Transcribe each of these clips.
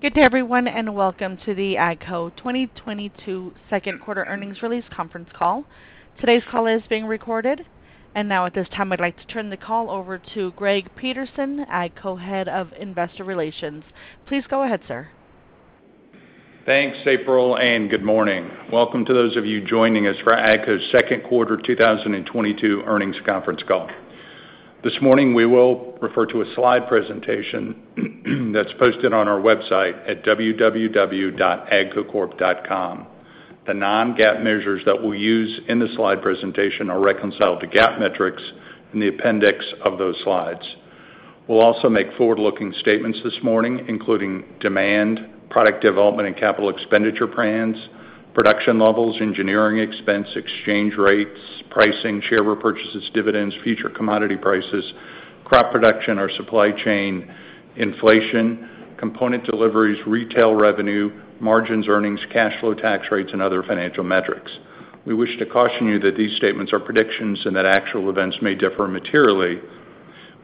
Good day everyone, and welcome to the AGCO 2022 second quarter earnings release conference call. Today's call is being recorded. Now at this time, I'd like to turn the call over to Greg Peterson, AGCO, Head of Investor Relations. Please go ahead, sir. Thanks, April, and good morning. Welcome to those of you joining us for AGCO's second quarter 2022 earnings conference call. This morning, we will refer to a slide presentation that's posted on our website at www.agcocorp.com. The non-GAAP measures that we'll use in the slide presentation are reconciled to GAAP metrics in the appendix of those slides. We'll also make forward-looking statements this morning, including demand, product development and capital expenditure plans, production levels, engineering expense, exchange rates, pricing, share repurchases, dividends, future commodity prices, crop production, our supply chain inflation, component deliveries, retail revenue, margins, earnings, cash flow, tax rates, and other financial metrics. We wish to caution you that these statements are predictions and that actual events may differ materially.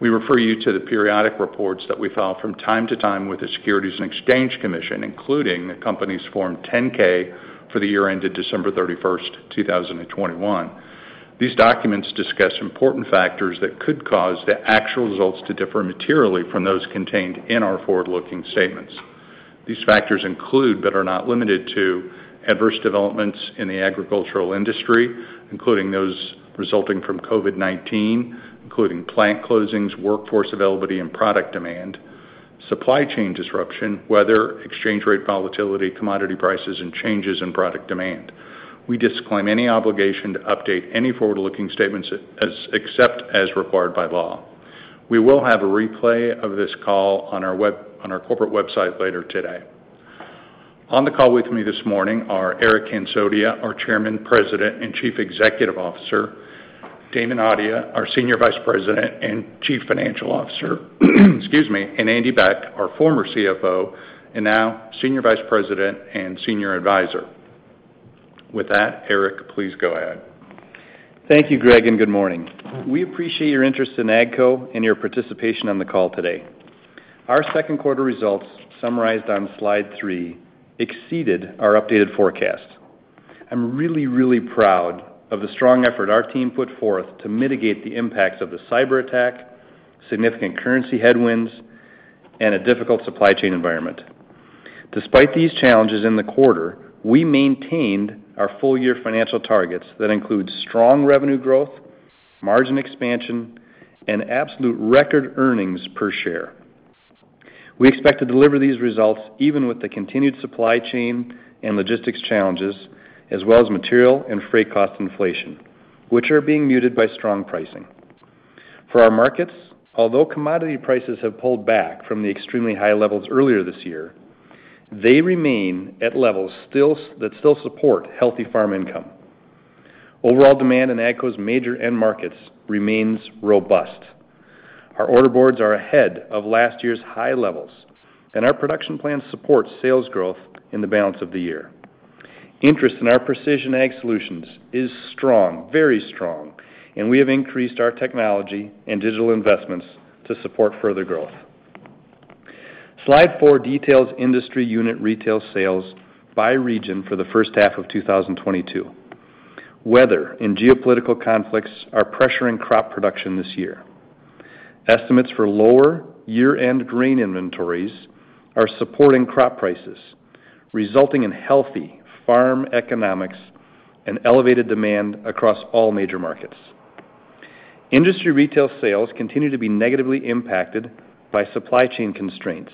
We refer you to the periodic reports that we file from time to time with the Securities and Exchange Commission, including the company's Form 10-K for the year ended December 31, 2021. These documents discuss important factors that could cause the actual results to differ materially from those contained in our forward-looking statements. These factors include, but are not limited to adverse developments in the agricultural industry, including those resulting from COVID-19, including plant closings, workforce availability and product demand, supply chain disruption, weather, exchange rate volatility, commodity prices, and changes in product demand. We disclaim any obligation to update any forward-looking statements except as required by law. We will have a replay of this call on our corporate website later today. On the call with me this morning are Eric Hansotia, our Chairman, President, and Chief Executive Officer, Damon Audia, our Senior Vice President and Chief Financial Officer, excuse me, and Andy H. Beck, our former CFO, and now Senior Vice President and Senior Advisor. With that, Eric, please go ahead. Thank you, Greg, and good morning. We appreciate your interest in AGCO and your participation on the call today. Our second quarter results, summarized on slide three, exceeded our updated forecast. I'm really proud of the strong effort our team put forth to mitigate the impacts of the cyberattack, significant currency headwinds, and a difficult supply chain environment. Despite these challenges in the quarter, we maintained our full-year financial targets that include strong revenue growth, margin expansion, and absolute record earnings per share. We expect to deliver these results even with the continued supply chain and logistics challenges, as well as material and freight cost inflation, which are being muted by strong pricing. For our markets, although commodity prices have pulled back from the extremely high levels earlier this year, they remain at levels that still support healthy farm income. Overall demand in AGCO's major end markets remains robust. Our order boards are ahead of last year's high levels, and our production plan supports sales growth in the balance of the year. Interest in our precision ag solutions is strong, very strong, and we have increased our technology and digital investments to support further growth. Slide four details industry unit retail sales by region for the first half of 2022. Weather and geopolitical conflicts are pressuring crop production this year. Estimates for lower year-end grain inventories are supporting crop prices, resulting in healthy farm economics and elevated demand across all major markets. Industry retail sales continue to be negatively impacted by supply chain constraints,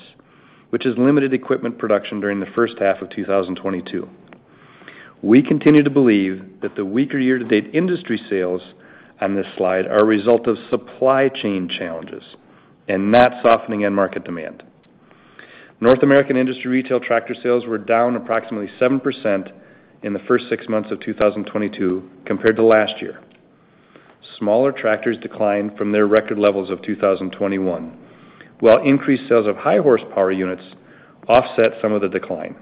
which has limited equipment production during the first half of 2022. We continue to believe that the weaker year-to-date industry sales on this slide are a result of supply chain challenges and not softening end market demand. North American industry retail tractor sales were down approximately 7% in the first six months of 2022 compared to last year. Smaller tractors declined from their record levels of 2021, while increased sales of high horsepower units offset some of the decline.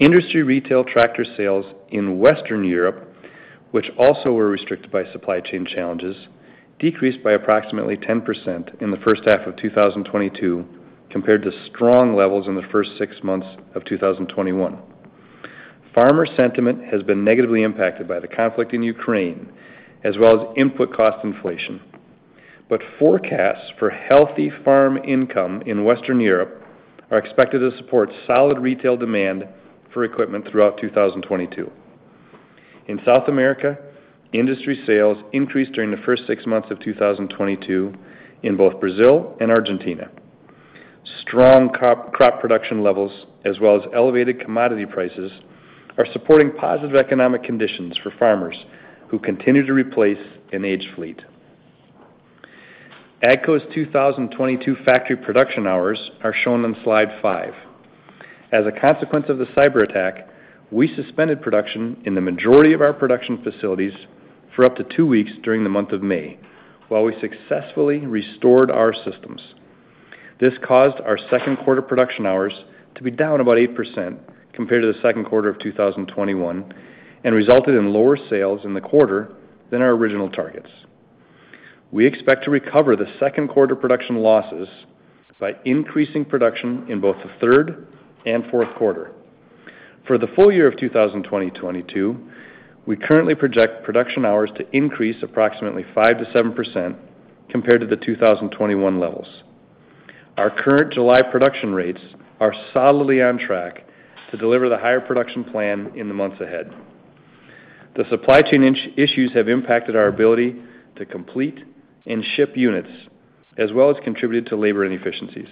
Industry retail tractor sales in Western Europe, which also were restricted by supply chain challenges, decreased by approximately 10% in the first half of 2022 compared to strong levels in the first six months of 2021. Farmer sentiment has been negatively impacted by the conflict in Ukraine as well as input cost inflation. Forecasts for healthy farm income in Western Europe are expected to support solid retail demand for equipment throughout 2022. In South America, industry sales increased during the first six months of 2022 in both Brazil and Argentina. Strong crop production levels as well as elevated commodity prices are supporting positive economic conditions for farmers who continue to replace an aged fleet. AGCO's 2022 factory production hours are shown on slide five. As a consequence of the cyberattack, we suspended production in the majority of our production facilities for up to two weeks during the month of May while we successfully restored our systems. This caused our second quarter production hours to be down about 8% compared to the second quarter of 2021 and resulted in lower sales in the quarter than our original targets. We expect to recover the second quarter production losses by increasing production in both the third and fourth quarter. For the full year of 2022, we currently project production hours to increase approximately 5%-7% compared to the 2021 levels. Our current July production rates are solidly on track to deliver the higher production plan in the months ahead. The supply chain issues have impacted our ability to complete and ship units, as well as contributed to labor inefficiencies.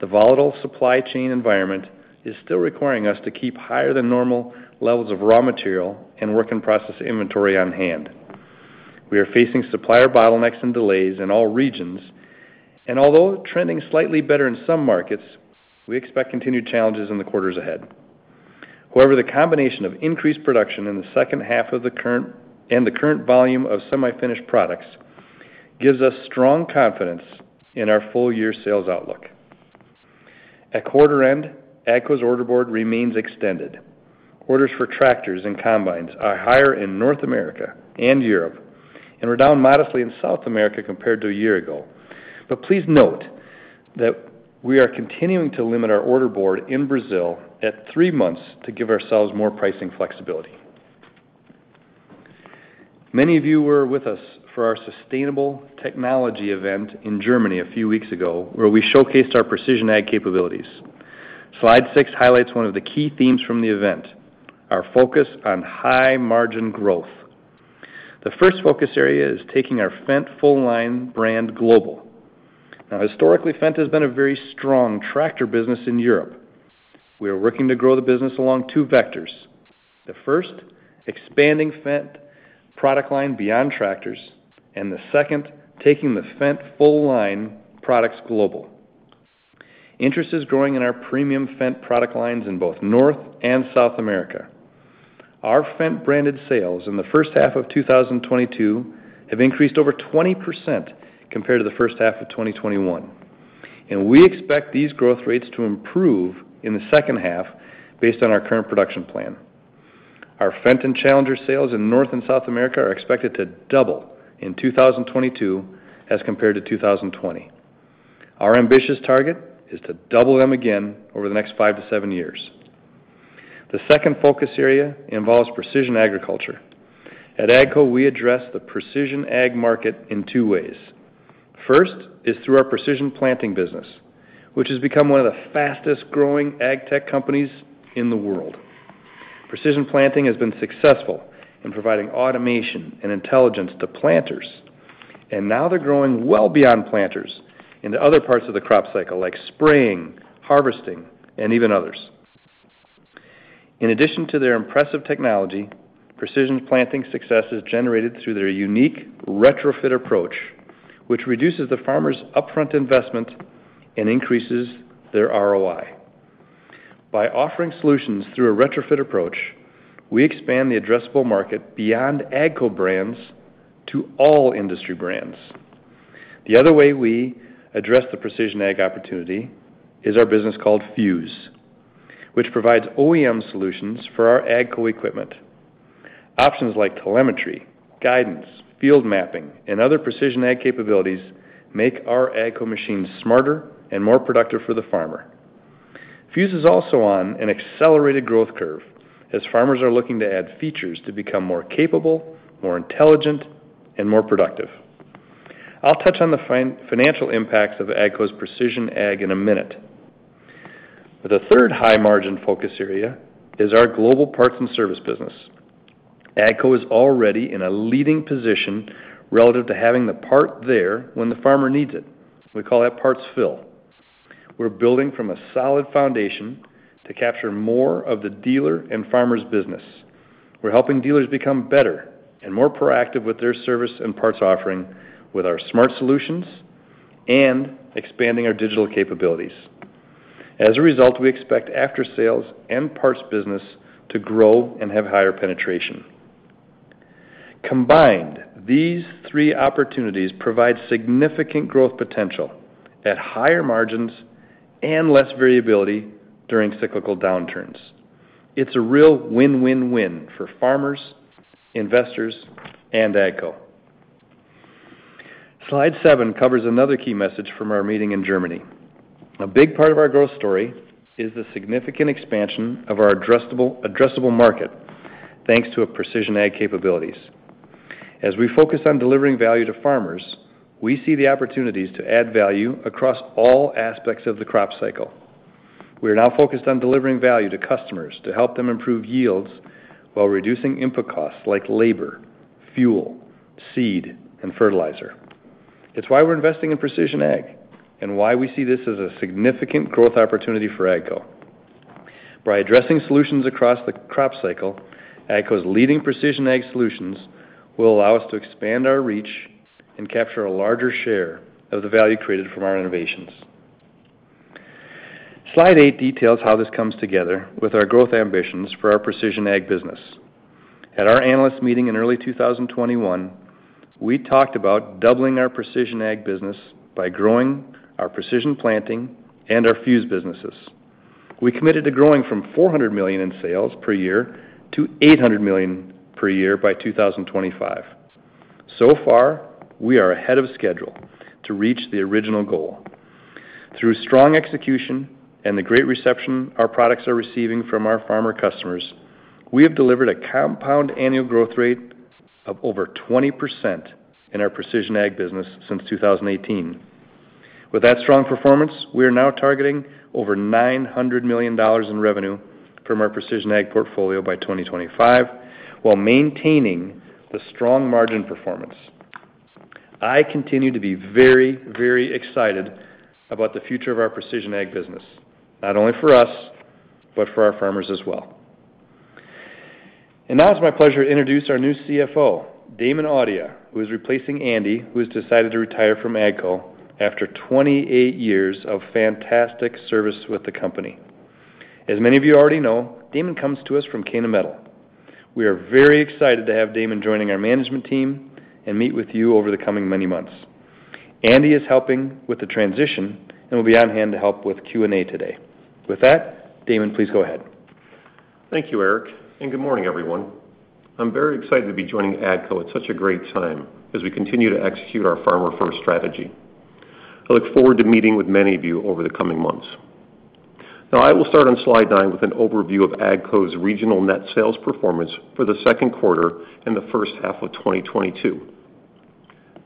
The volatile supply chain environment is still requiring us to keep higher than normal levels of raw material and work in process inventory on hand. We are facing supplier bottlenecks and delays in all regions, and although trending slightly better in some markets, we expect continued challenges in the quarters ahead. However, the combination of increased production in the second half and the current volume of semi-finished products gives us strong confidence in our full year sales outlook. At quarter end, AGCO's order board remains extended. Orders for tractors and combines are higher in North America and Europe, and were down modestly in South America compared to a year ago. Please note that we are continuing to limit our order board in Brazil at three months to give ourselves more pricing flexibility. Many of you were with us for our sustainable technology event in Germany a few weeks ago, where we showcased our Precision Ag capabilities. Slide six highlights one of the key themes from the event, our focus on high margin growth. The first focus area is taking our Fendt full line brand global. Historically, Fendt has been a very strong tractor business in Europe. We are working to grow the business along two vectors. The first, expanding Fendt product line beyond tractors, and the second, taking the Fendt full line products global. Interest is growing in our premium Fendt product lines in both North and South America. Our Fendt branded sales in the first half of 2022 have increased over 20% compared to the first half of 2021, and we expect these growth rates to improve in the second half based on our current production plan. Our Fendt and Challenger sales in North and South America are expected to double in 2022 as compared to 2020. Our ambitious target is to double them again over the next five to seven years. The second focus area involves precision agriculture. At AGCO, we address the Precision Ag market in two ways. First is through our Precision Planting business, which has become one of the fastest-growing ag tech companies in the world. Precision Planting has been successful in providing automation and intelligence to planters, and now they're growing well beyond planters into other parts of the crop cycle like spraying, harvesting, and even others. In addition to their impressive technology, Precision Planting success is generated through their unique retrofit approach, which reduces the farmer's upfront investment and increases their ROI. By offering solutions through a retrofit approach, we expand the addressable market beyond AGCO brands to all industry brands. The other way we address the Precision Ag opportunity is our business called Fuse, which provides OEM solutions for our AGCO equipment. Options like telemetry, guidance, field mapping, and other Precision Ag capabilities make our AGCO machines smarter and more productive for the farmer. Fuse is also on an accelerated growth curve as farmers are looking to add features to become more capable, more intelligent, and more productive. I'll touch on the financial impacts of AGCO's Precision Ag in a minute. The third high margin focus area is our global parts and service business. AGCO is already in a leading position relative to having the part there when the farmer needs it. We call that parts fill. We're building from a solid foundation to capture more of the dealer and farmer's business. We're helping dealers become better and more proactive with their service and parts offering with our smart solutions and expanding our digital capabilities. As a result, we expect after sales and parts business to grow and have higher penetration. Combined, these three opportunities provide significant growth potential at higher margins and less variability during cyclical downturns. It's a real win-win-win for farmers, investors, and AGCO. Slide seven covers another key message from our meeting in Germany. A big part of our growth story is the significant expansion of our addressable market, thanks to our Precision Ag capabilities. As we focus on delivering value to farmers, we see the opportunities to add value across all aspects of the crop cycle. We are now focused on delivering value to customers to help them improve yields while reducing input costs like labor, fuel, seed, and fertilizer. It's why we're investing in precision ag and why we see this as a significant growth opportunity for AGCO. By addressing solutions across the crop cycle, AGCO's leading precision ag solutions will allow us to expand our reach and capture a larger share of the value created from our innovations. Slide eight details how this comes together with our growth ambitions for our precision ag business. At our analyst meeting in early 2021, we talked about doubling our precision ag business by growing our precision planting and our Fuse businesses. We committed to growing from $400 million in sales per year to $800 million per year by 2025. So far, we are ahead of schedule to reach the original goal. Through strong execution and the great reception our products are receiving from our farmer customers, we have delivered a CAGR of over 20% in our precision ag business since 2018. With that strong performance, we are now targeting over $900 million in revenue from our precision ag portfolio by 2025, while maintaining the strong margin performance. I continue to be very, very excited about the future of our precision ag business, not only for us, but for our farmers as well. Now it's my pleasure to introduce our new CFO, Damon Audia, who is replacing Andy, who has decided to retire from AGCO after 28 years of fantastic service with the company. As many of you already know, Damon comes to us from Kennametal. We are very excited to have Damon joining our management team and meet with you over the coming many months. Andy is helping with the transition and will be on hand to help with Q&A today. With that, Damon, please go ahead. Thank you, Eric, and good morning, everyone. I'm very excited to be joining AGCO at such a great time as we continue to execute our farmer-first strategy. I look forward to meeting with many of you over the coming months. Now, I will start on slide nine with an overview of AGCO's regional net sales performance for the second quarter and the first half of 2022.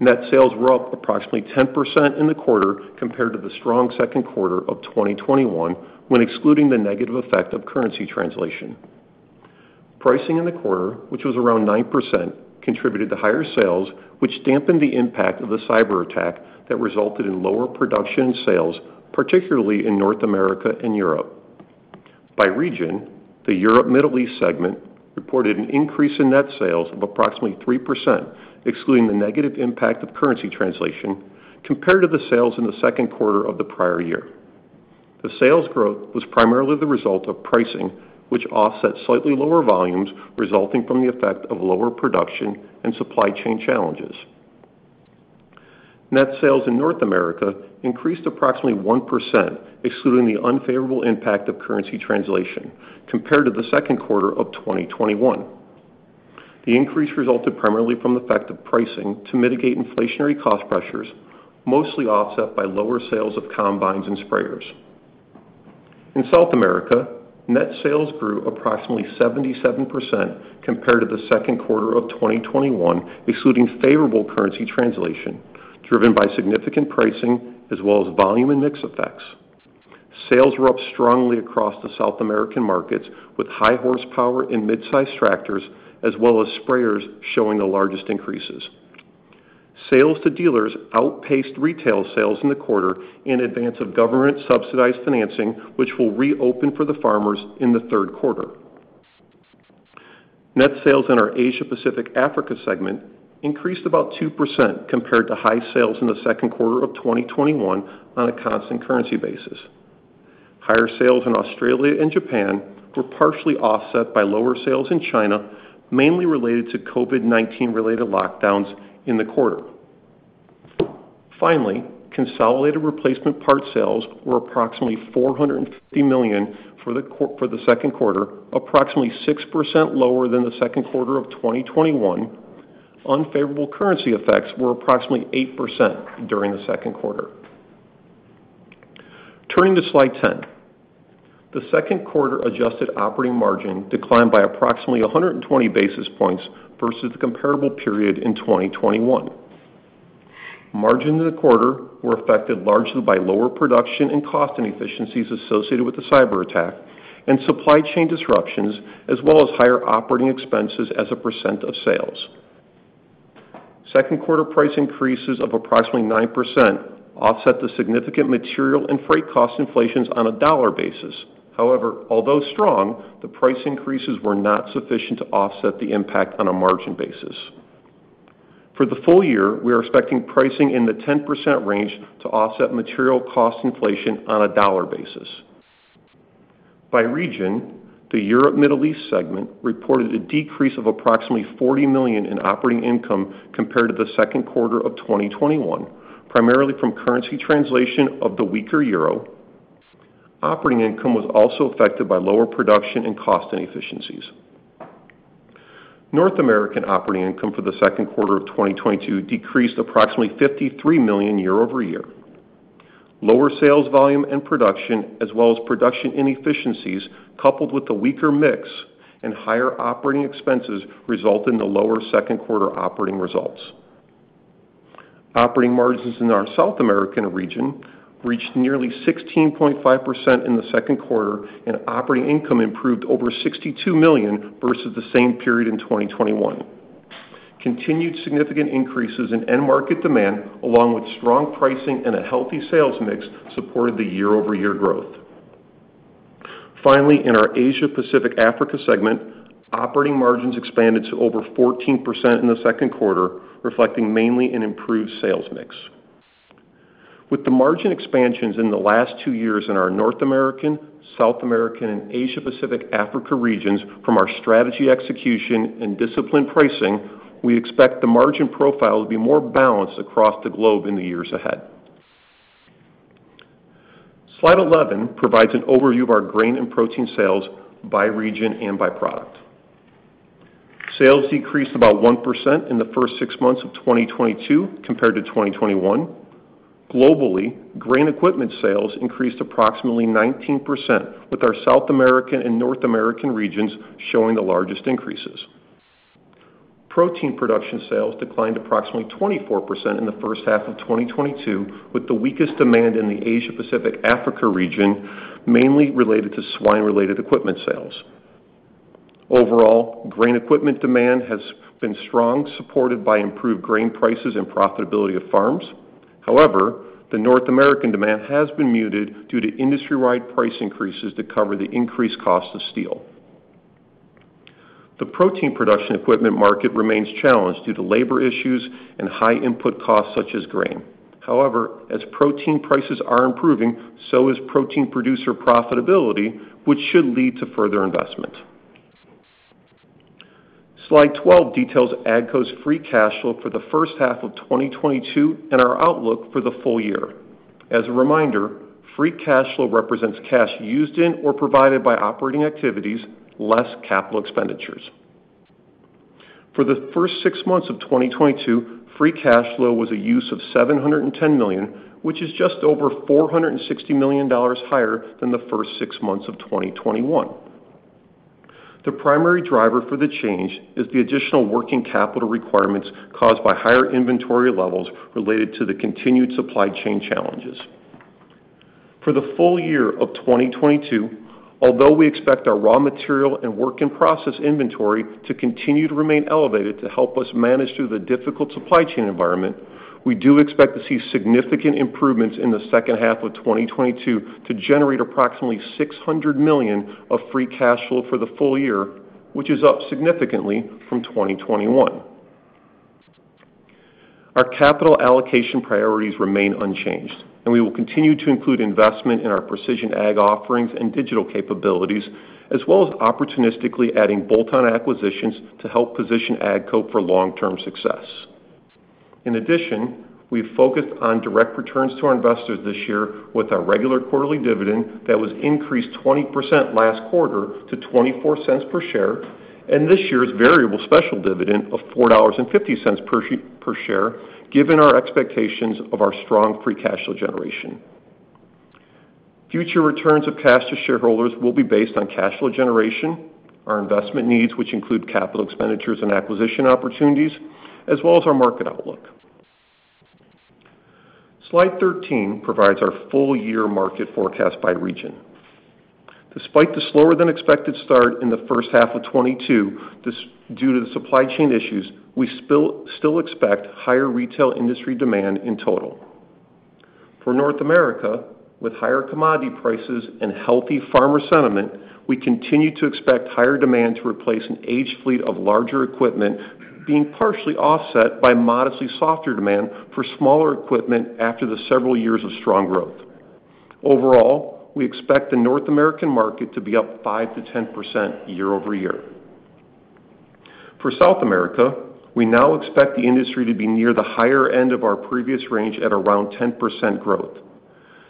Net sales were up approximately 10% in the quarter compared to the strong second quarter of 2021 when excluding the negative effect of currency translation. Pricing in the quarter, which was around 9%, contributed to higher sales, which dampened the impact of the cyberattack that resulted in lower production sales, particularly in North America and Europe. By region, the Europe Middle East segment reported an increase in net sales of approximately 3%, excluding the negative impact of currency translation, compared to the sales in the second quarter of the prior year. The sales growth was primarily the result of pricing, which offset slightly lower volumes resulting from the effect of lower production and supply chain challenges. Net sales in North America increased approximately 1%, excluding the unfavorable impact of currency translation, compared to the second quarter of 2021. The increase resulted primarily from the effect of pricing to mitigate inflationary cost pressures, mostly offset by lower sales of combines and sprayers. In South America, net sales grew approximately 77% compared to the second quarter of 2021, excluding favorable currency translation, driven by significant pricing as well as volume and mix effects. Sales were up strongly across the South American markets with high horsepower and mid-size tractors, as well as sprayers showing the largest increases. Sales to dealers outpaced retail sales in the quarter in advance of government-subsidized financing, which will reopen for the farmers in the third quarter. Net sales in our Asia Pacific Africa segment increased about 2% compared to high sales in the second quarter of 2021 on a constant currency basis. Higher sales in Australia and Japan were partially offset by lower sales in China, mainly related to COVID-19 related lockdowns in the quarter. Finally, consolidated replacement part sales were approximately $450 million for the second quarter, approximately 6% lower than the second quarter of 2021. Unfavorable currency effects were approximately 8% during the second quarter. Turning to slide 10. The second quarter adjusted operating margin declined by approximately 120 basis points versus the comparable period in 2021. Margins in the quarter were affected largely by lower production and cost inefficiencies associated with the cyberattack and supply chain disruptions, as well as higher operating expenses as a percent of sales. Second quarter price increases of approximately 9% offset the significant material and freight cost inflations on a dollar basis. However, although strong, the price increases were not sufficient to offset the impact on a margin basis. For the full year, we are expecting pricing in the 10% range to offset material cost inflation on a dollar basis. By region, the EAME segment reported a decrease of approximately $40 million in operating income compared to the second quarter of 2021, primarily from currency translation of the weaker euro. Operating income was also affected by lower production and cost inefficiencies. North American operating income for the second quarter of 2022 decreased approximately $53 million year-over-year. Lower sales volume and production, as well as production inefficiencies, coupled with the weaker mix and higher operating expenses, result in the lower second quarter operating results. Operating margins in our South American region reached nearly 16.5% in the second quarter, and operating income improved over $62 million versus the same period in 2021. Continued significant increases in end market demand, along with strong pricing and a healthy sales mix, supported the year-over-year growth. Finally, in our Asia Pacific Africa segment, operating margins expanded to over 14% in the second quarter, reflecting mainly an improved sales mix. With the margin expansions in the last two years in our North American, South American, and Asia Pacific Africa regions from our strategy execution and disciplined pricing, we expect the margin profile to be more balanced across the globe in the years ahead. Slide 11 provides an overview of our grain and protein sales by region and by product. Sales decreased about 1% in the first six months of 2022 compared to 2021. Globally, grain equipment sales increased approximately 19% with our South American and North American regions showing the largest increases. Protein production sales declined approximately 24% in the first half of 2022, with the weakest demand in the Asia Pacific Africa region, mainly related to swine-related equipment sales. Overall, grain equipment demand has been strong, supported by improved grain prices and profitability of farms. However, the North American demand has been muted due to industry-wide price increases to cover the increased cost of steel. The protein production equipment market remains challenged due to labor issues and high input costs such as grain. However, as protein prices are improving, so is protein producer profitability, which should lead to further investment. Slide 12 details AGCO's free cash flow for the first half of 2022 and our outlook for the full year. As a reminder, free cash flow represents cash used in or provided by operating activities, less capital expenditures. For the first six months of 2022, free cash flow was a use of $710 million, which is just over $460 million higher than the first six months of 2021. The primary driver for the change is the additional working capital requirements caused by higher inventory levels related to the continued supply chain challenges. For the full year of 2022, although we expect our raw material and work in process inventory to continue to remain elevated to help us manage through the difficult supply chain environment, we do expect to see significant improvements in the second half of 2022 to generate approximately $600 million of free cash flow for the full year, which is up significantly from 2021. Our capital allocation priorities remain unchanged, and we will continue to include investment in our Precision Ag offerings and digital capabilities, as well as opportunistically adding bolt-on acquisitions to help position AGCO for long-term success. In addition, we've focused on direct returns to our investors this year with our regular quarterly dividend that was increased 20% last quarter to $0.24 per share, and this year's variable special dividend of $4.50 per share, given our expectations of our strong free cash flow generation. Future returns of cash to shareholders will be based on cash flow generation, our investment needs, which include capital expenditures and acquisition opportunities, as well as our market outlook. Slide 13 provides our full year market forecast by region. Despite the slower than expected start in the first half of 2022, this, due to the supply chain issues, we still expect higher retail industry demand in total. For North America, with higher commodity prices and healthy farmer sentiment, we continue to expect higher demand to replace an aged fleet of larger equipment being partially offset by modestly softer demand for smaller equipment after the several years of strong growth. Overall, we expect the North American market to be up 5%-10% year-over-year. For South America, we now expect the industry to be near the higher end of our previous range at around 10% growth.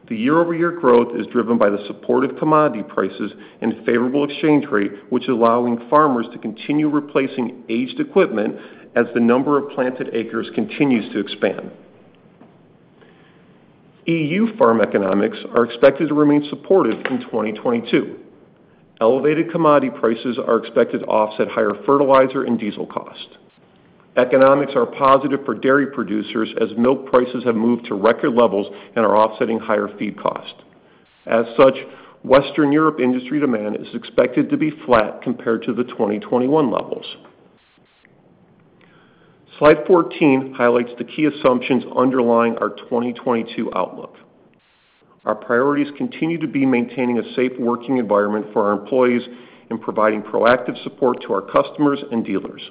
The year-over-year growth is driven by the supportive commodity prices and favorable exchange rate, which allows farmers to continue replacing aged equipment as the number of planted acres continues to expand. EU farm economics are expected to remain supportive in 2022. Elevated commodity prices are expected to offset higher fertilizer and diesel costs. Economics are positive for dairy producers as milk prices have moved to record levels and are offsetting higher feed costs. As such, Western Europe industry demand is expected to be flat compared to the 2021 levels. Slide 14 highlights the key assumptions underlying our 2022 outlook. Our priorities continue to be maintaining a safe working environment for our employees and providing proactive support to our customers and dealers.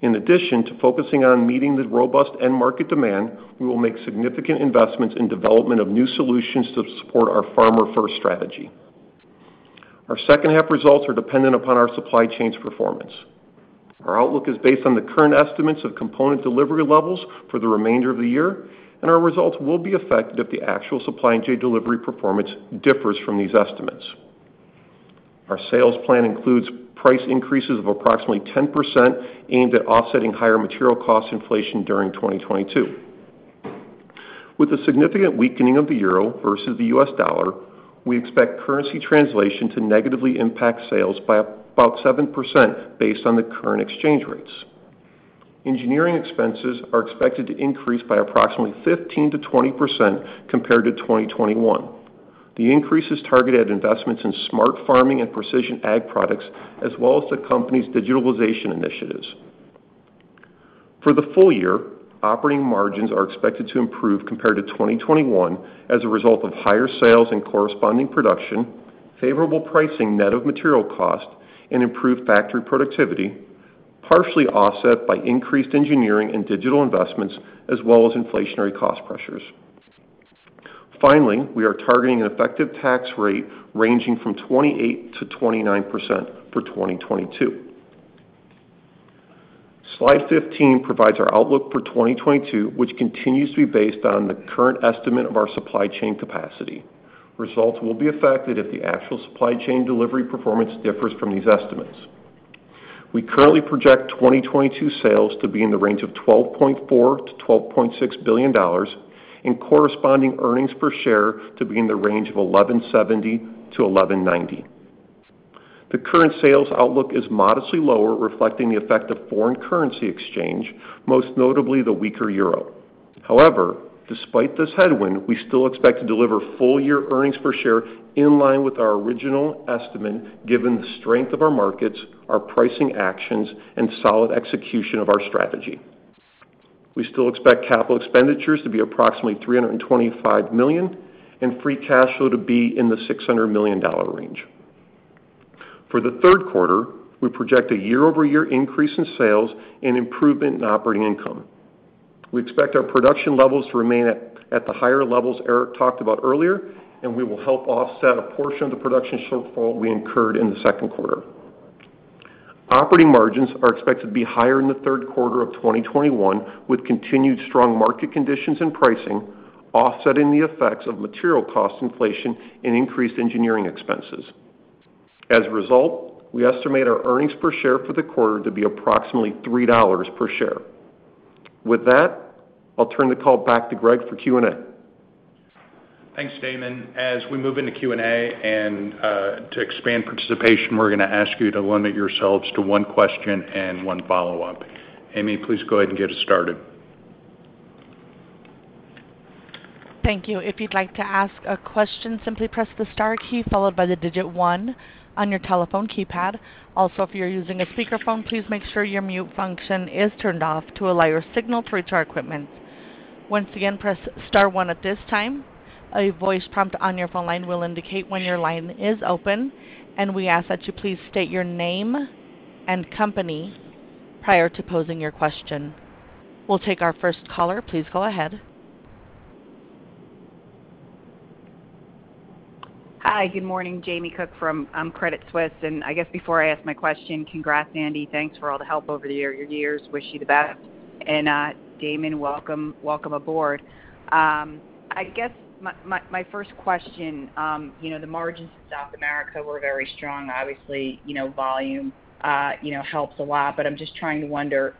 In addition to focusing on meeting the robust end market demand, we will make significant investments in development of new solutions to support our farmer first strategy. Our second half results are dependent upon our supply chain's performance. Our outlook is based on the current estimates of component delivery levels for the remainder of the year, and our results will be affected if the actual supply and delivery performance differs from these estimates. Our sales plan includes price increases of approximately 10% aimed at offsetting higher material cost inflation during 2022. With the significant weakening of the euro versus the U.S. dollar, we expect currency translation to negatively impact sales by about 7% based on the current exchange rates. Engineering expenses are expected to increase by approximately 15%-20% compared to 2021. The increase is targeted at investments in smart farming and Precision Ag products, as well as the company's digitalization initiatives. For the full year, operating margins are expected to improve compared to 2021 as a result of higher sales and corresponding production, favorable pricing net of material cost, and improved factory productivity, partially offset by increased engineering and digital investments as well as inflationary cost pressures. Finally, we are targeting an effective tax rate ranging from 28%-29% for 2022. Slide 15 provides our outlook for 2022, which continues to be based on the current estimate of our supply chain capacity. Results will be affected if the actual supply chain delivery performance differs from these estimates. We currently project 2022 sales to be in the range of $12.4-$12.6 billion, and corresponding earnings per share to be in the range of $11.70-$11.90. The current sales outlook is modestly lower, reflecting the effect of foreign currency exchange, most notably the weaker euro. However, despite this headwind, we still expect to deliver full year earnings per share in line with our original estimate, given the strength of our markets, our pricing actions, and solid execution of our strategy. We still expect capital expenditures to be approximately $325 million and free cash flow to be in the $600 million range. For the third quarter, we project a year-over-year increase in sales and improvement in operating income. We expect our production levels to remain at the higher levels Eric talked about earlier, and we will help offset a portion of the production shortfall we incurred in the second quarter. Operating margins are expected to be higher in the third quarter of 2021, with continued strong market conditions and pricing offsetting the effects of material cost inflation and increased engineering expenses. As a result, we estimate our earnings per share for the quarter to be approximately $3 per share. With that, I'll turn the call back to Greg for Q&A. Thanks, Damon. As we move into Q&A and to expand participation, we're gonna ask you to limit yourselves to one question and one follow-up. Amy, please go ahead and get us started. Thank you. If you'd like to ask a question, simply press the star key followed by the digit one on your telephone keypad. Also, if you're using a speakerphone, please make sure your mute function is turned off to allow your signal to reach our equipment. Once again, press star one at this time. A voice prompt on your phone line will indicate when your line is open, and we ask that you please state your name and company prior to posing your question. We'll take our first caller. Please go ahead. Hi, good morning. Jamie Cook from Credit Suisse. I guess before I ask my question, congrats, Andy. Thanks for all the help over the years. Wish you the best. Damon, welcome aboard. I guess my first question, you know, the margins in South America were very strong. Obviously, you know, volume, you know, helps a lot, but I'm just trying to wonder,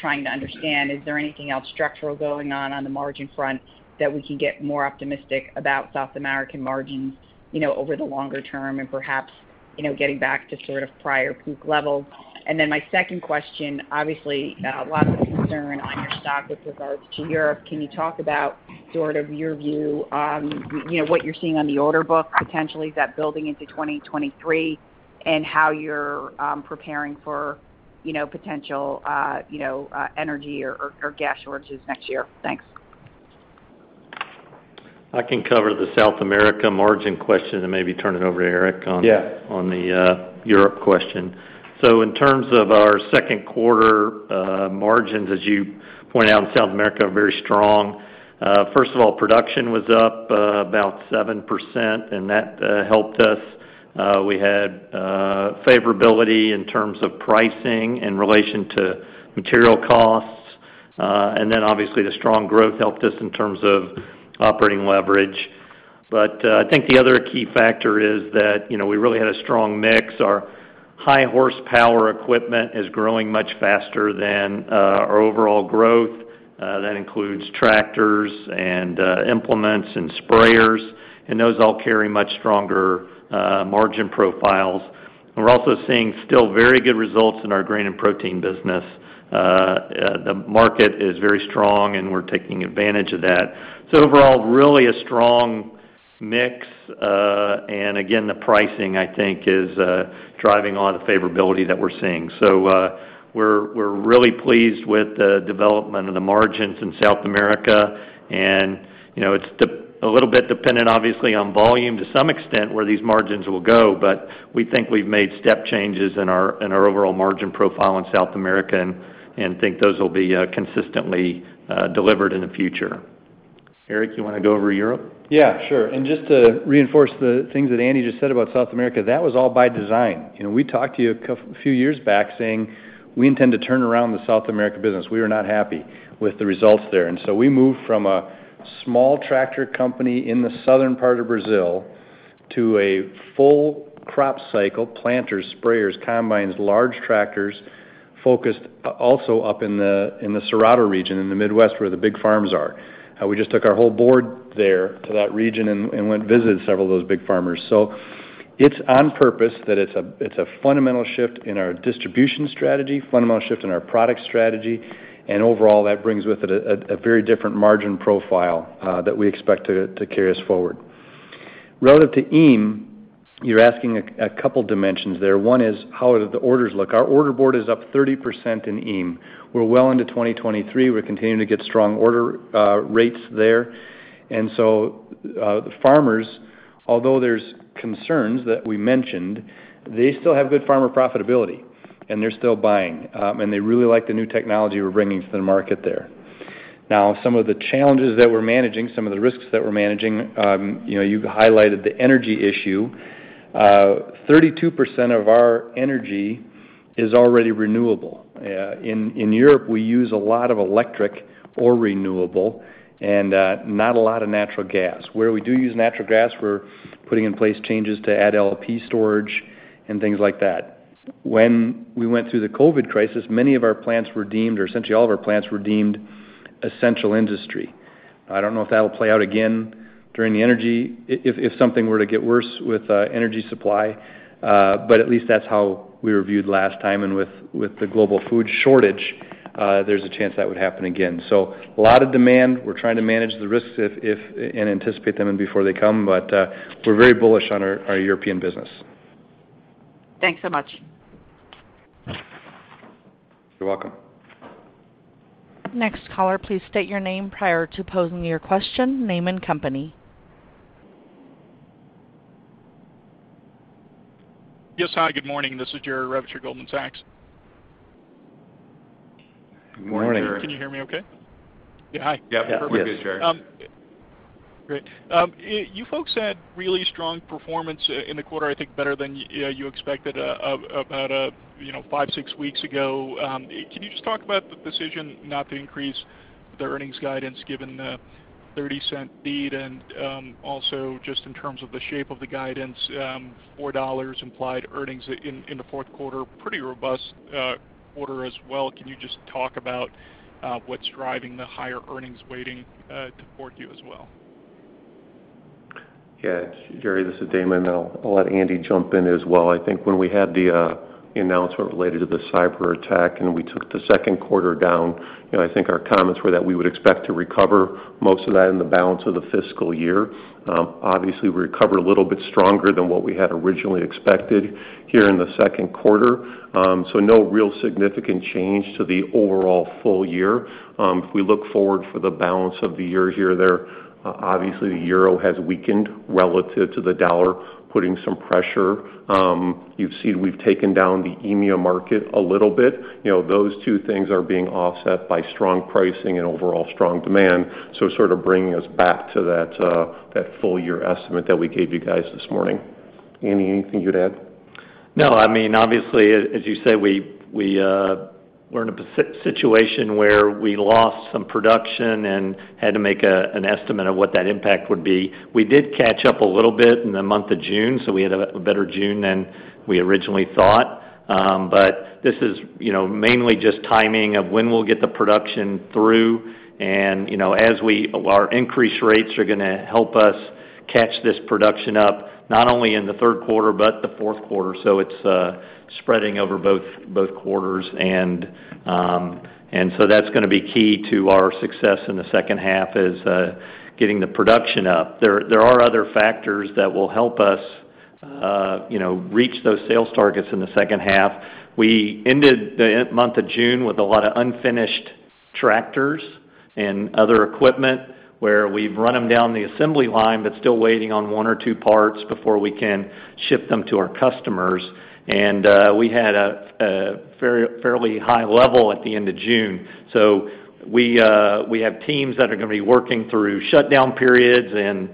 trying to understand, is there anything else structural going on on the margin front that we can get more optimistic about South American margins, you know, over the longer term and perhaps, you know, getting back to sort of prior peak levels? My second question, obviously, lots of concern on your stock with regards to Europe. Can you talk about sort of your view on, you know, what you're seeing on the order book potentially that building into 2023, and how you're preparing for, you know, potential energy or gas shortages next year? Thanks. I can cover the South America margin question and maybe turn it over to Eric on- Yeah On the Europe question. In terms of our second quarter margins, as you pointed out, in South America, very strong. First of all, production was up about 7%, and that helped us. We had favorability in terms of pricing in relation to material costs, and then obviously the strong growth helped us in terms of operating leverage. I think the other key factor is that, you know, we really had a strong mix. Our high horsepower equipment is growing much faster than our overall growth. That includes tractors and implements and sprayers, and those all carry much stronger margin profiles. We're also seeing still very good results in our grain and protein business. The market is very strong, and we're taking advantage of that. Overall, really a strong mix. Again, the pricing, I think, is driving a lot of the favorability that we're seeing. We're really pleased with the development of the margins in South America. You know, it's a little bit dependent, obviously, on volume to some extent where these margins will go, but we think we've made step changes in our overall margin profile in South America and think those will be consistently delivered in the future. Eric, you wanna go over Europe? Yeah, sure. Just to reinforce the things that Andy just said about South America, that was all by design. You know, we talked to you a few years back saying we intend to turn around the South America business. We were not happy with the results there. We moved from a small tractor company in the southern part of Brazil to a full crop cycle, planters, sprayers, combines, large tractors, focused also up in the Cerrado region, in the Midwest, where the big farms are. We just took our whole board there to that region and went and visited several of those big farmers. It's on purpose that it's a fundamental shift in our distribution strategy, fundamental shift in our product strategy, and overall, that brings with it a very different margin profile that we expect to carry us forward. Relative to EAME, you're asking a couple dimensions there. One is, how did the orders look? Our order board is up 30% in EAME. We're well into 2023. We're continuing to get strong order rates there. The farmers, although there's concerns that we mentioned, they still have good farmer profitability, and they're still buying. They really like the new technology we're bringing to the market there. Now some of the challenges that we're managing, some of the risks that we're managing, you know, you've highlighted the energy issue. 32% of our energy is already renewable. In Europe, we use a lot of electric or renewable and not a lot of natural gas. Where we do use natural gas, we're putting in place changes to add LPG storage and things like that. When we went through the COVID crisis, many of our plants were deemed, or essentially all of our plants were deemed essential industry. I don't know if that'll play out again if something were to get worse with energy supply. At least that's how we were viewed last time. With the global food shortage, there's a chance that would happen again. A lot of demand. We're trying to manage the risks and anticipate them before they come. We're very bullish on our European business. Thanks so much. You're welcome. Next caller, please state your name prior to posing your question. Name and company. Yes. Hi, good morning. This is Jerry Revich of Goldman Sachs. Good morning. Morning. Can you hear me okay? Yeah. Hi. Yeah. Perfect, Jerry. Great. You folks had really strong performance in the quarter, I think better than you expected, about, you know, five, six weeks ago. Can you just talk about the decision not to increase the earnings guidance given the 0.30 beat? Also just in terms of the shape of the guidance, $4 implied earnings in the fourth quarter. Pretty robust quarter as well. Can you just talk about what's driving the higher earnings weighting to 4Q as well? Yeah. Jerry, this is Damon, and I'll let Andy jump in as well. I think when we had the announcement related to the cyberattack, and we took the second quarter down, you know, I think our comments were that we would expect to recover most of that in the balance of the fiscal year. Obviously, we recovered a little bit stronger than what we had originally expected here in the second quarter. No real significant change to the overall full year. If we look forward for the balance of the year here, obviously, the euro has weakened relative to the dollar, putting some pressure. You've seen we've taken down the EAME market a little bit. You know, those two things are being offset by strong pricing and overall strong demand. Sort of bringing us back to that full year estimate that we gave you guys this morning. Andy, anything you'd add? No. I mean, obviously, as you say, we're in a situation where we lost some production and had to make an estimate of what that impact would be. We did catch up a little bit in the month of June, so we had a better June than we originally thought. This is, you know, mainly just timing of when we'll get the production through. You know, our increase rates are gonna help us catch this production up, not only in the third quarter but the fourth quarter. It's spreading over both quarters. That's gonna be key to our success in the second half, is getting the production up. There are other factors that will help us, you know, reach those sales targets in the second half. We ended the month of June with a lot of unfinished tractors and other equipment, where we've run them down the assembly line but still waiting on one or two parts before we can ship them to our customers. We had a very fairly high level at the end of June. We have teams that are gonna be working through shutdown periods and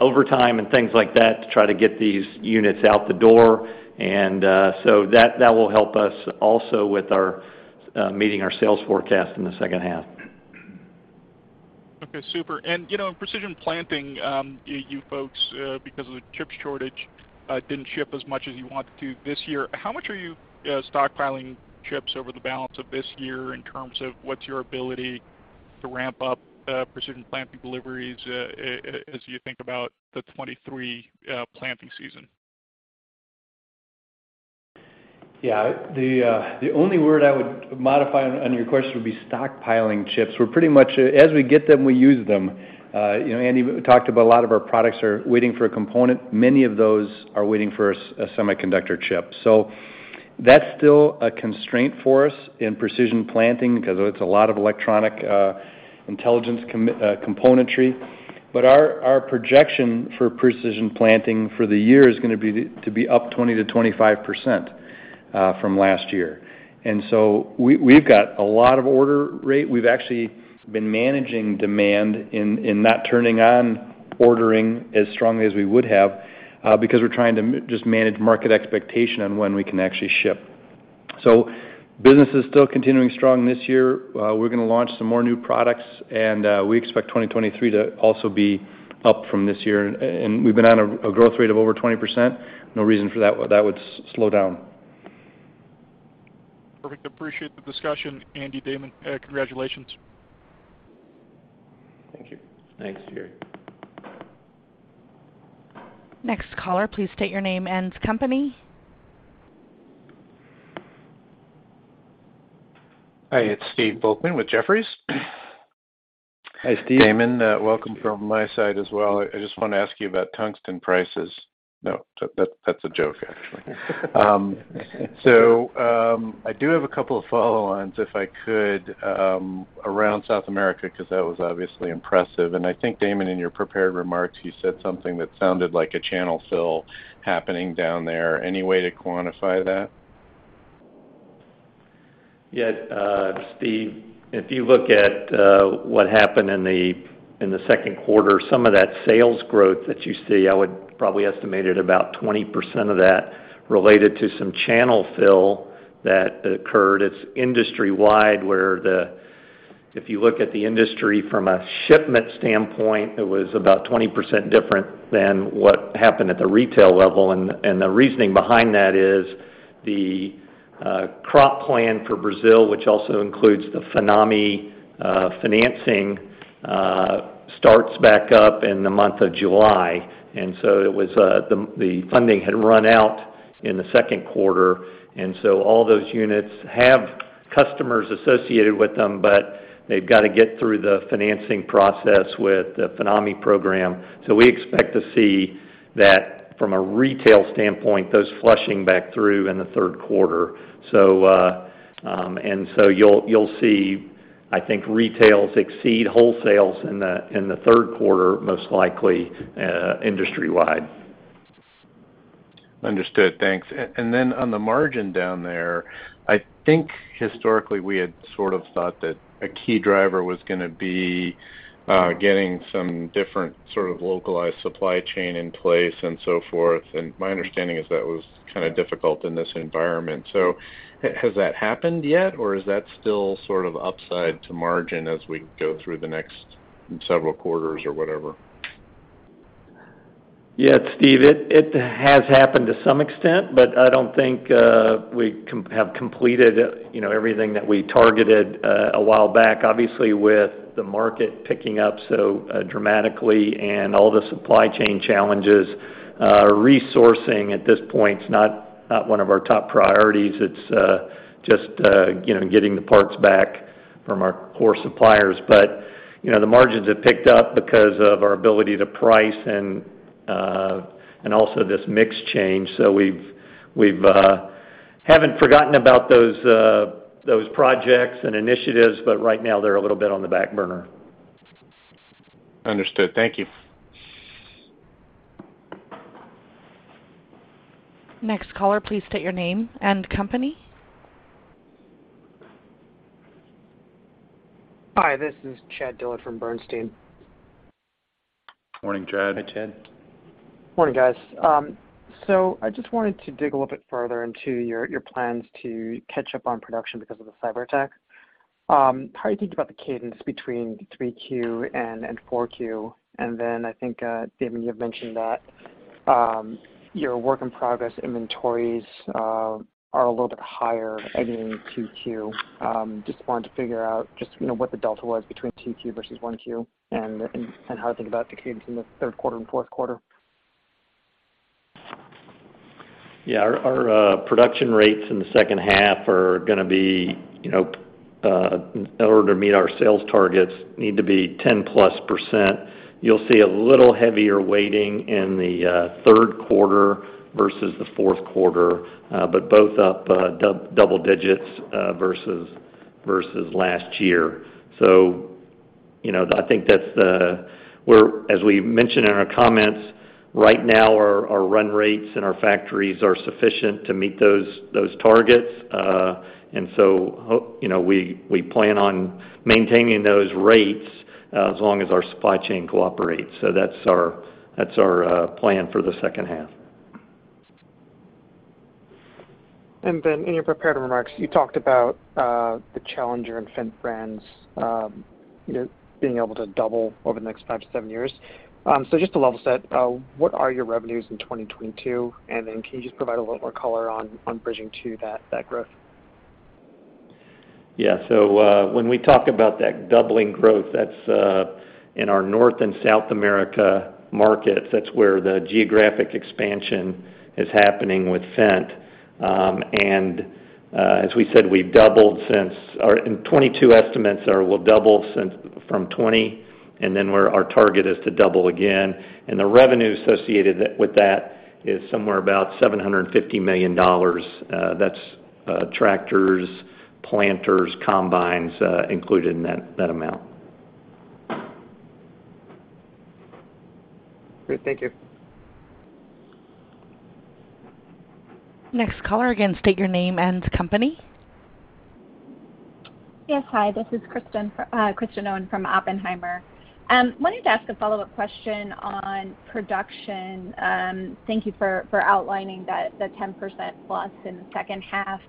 overtime and things like that to try to get these units out the door. That will help us also with our meeting our sales forecast in the second half. Okay. Super. You know, in Precision Planting, you folks, because of the chips shortage, didn't ship as much as you want to this year. How much are you stockpiling chips over the balance of this year in terms of what's your ability to ramp up Precision Planting deliveries as you think about the 2023 planting season? Yeah. The only word I would modify on your question would be stockpiling chips. We're pretty much as we get them, we use them. You know, Andy talked about a lot of our products are waiting for a component. Many of those are waiting for a semiconductor chip. So that's still a constraint for us in Precision Planting because it's a lot of electronic intelligence componentry. But our projection for Precision Planting for the year is gonna be to be up 20%-25% from last year. We've got a lot of order rate. We've actually been managing demand and not turning on ordering as strongly as we would have because we're trying to just manage market expectation on when we can actually ship. Business is still continuing strong this year. We're gonna launch some more new products, and we expect 2023 to also be up from this year. We've been on a growth rate of over 20%. No reason for that would slow down. Perfect. Appreciate the discussion, Andy, Damon. Congratulations. Thank you. Thanks, Jerry. Next caller, please state your name and company. Hi, it's Steve Volkmann with Jefferies. Hi, Steve. Damon, welcome from my side as well. I just wanna ask you about tungsten prices. No, that's a joke actually. I do have a couple of follow-ons, if I could, around South America, 'cause that was obviously impressive. I think, Damon, in your prepared remarks, you said something that sounded like a channel fill happening down there. Any way to quantify that? Yeah, Steve, if you look at what happened in the second quarter, some of that sales growth that you see, I would probably estimate at about 20% of that related to some channel fill that occurred. It's industry-wide, where if you look at the industry from a shipment standpoint, it was about 20% different than what happened at the retail level. The reasoning behind that is the crop plan for Brazil, which also includes the FINAME financing, starts back up in the month of July. The funding had run out in the second quarter, and so all those units have customers associated with them, but they've got to get through the financing process with the FINAME program. We expect to see that from a retail standpoint, those flushing back through in the third quarter. You'll see, I think, retails exceed wholesales in the third quarter, most likely, industry-wide. Understood. Thanks. Then on the margin down there, I think historically we had sort of thought that a key driver was gonna be getting some different sort of localized supply chain in place and so forth. My understanding is that was kind of difficult in this environment. Has that happened yet, or is that still sort of upside to margin as we go through the next several quarters or whatever? Yeah, Steve, it has happened to some extent, but I don't think we have completed, you know, everything that we targeted a while back. Obviously, with the market picking up so dramatically and all the supply chain challenges, resourcing at this point is not one of our top priorities. It's just, you know, getting the parts back from our core suppliers. You know, the margins have picked up because of our ability to price and also this mix change. So we've haven't forgotten about those projects and initiatives, but right now they're a little bit on the back burner. Understood. Thank you. Next caller, please state your name and company. Hi, this is Chad Dillard from Bernstein. Morning, Chad. Hi, Chad. Morning, guys. I just wanted to dig a little bit further into your plans to catch up on production because of the cyberattack. How do you think about the cadence between 3Q and 4Q? I think Damon, you've mentioned that your work in progress inventories are a little bit higher ending in 2Q. Just wanted to figure out, you know, what the delta was between 2Q versus 1Q and how to think about the cadence in the third quarter and fourth quarter. Yeah. Our production rates in the second half are gonna be, you know, in order to meet our sales targets, need to be 10%+. You'll see a little heavier weighting in the third quarter versus the fourth quarter, but both up double digits versus last year. As we mentioned in our comments, right now our run rates in our factories are sufficient to meet those targets. You know, we plan on maintaining those rates as long as our supply chain cooperates. That's our plan for the second half. In your prepared remarks, you talked about the Challenger and Fendt brands, you know, being able to double over the next five to seven years. Just to level set, what are your revenues in 2022? Can you just provide a little more color on bridging to that growth? Yeah. When we talk about that doubling growth, that's in our North and South America markets. That's where the geographic expansion is happening with Fendt. As we said, we've doubled since 2020, and 2022 estimates are we'll double again from 2020, and then our target is to double again. The revenue associated with that is somewhere about $750 million. That's tractors, planters, combines included in that amount. Great. Thank you. Next caller, again, state your name and company. Yes, hi. This is Kristen Owen from Oppenheimer. Wanted to ask a follow-up question on production. Thank you for outlining the 10%+ in the second half.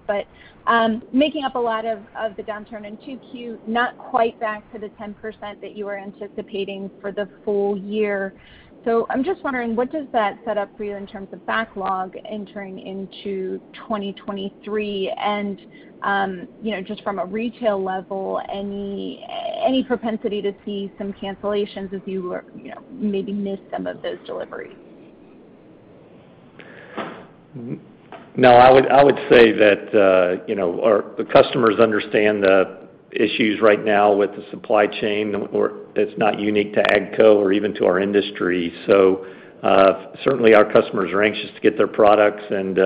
Making up a lot of the downturn in 2Q, not quite back to the 10% that you were anticipating for the full year. I'm just wondering, what does that set up for you in terms of backlog entering into 2023? You know, just from a retail level, any propensity to see some cancellations as you know, maybe miss some of those deliveries? No, I would say that, you know, our customers understand the issues right now with the supply chain or it's not unique to AGCO or even to our industry. Certainly our customers are anxious to get their products, and